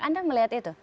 anda melihat itu